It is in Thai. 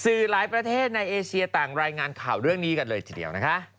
หลายประเทศในเอเชียต่างรายงานข่าวเรื่องนี้กันเลยทีเดียวนะคะ